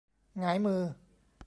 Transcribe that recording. หงายมือ